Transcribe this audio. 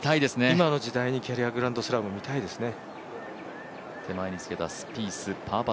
今の時代にキャリアグランドスラム見たいですよね。